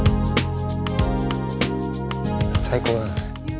最高だね。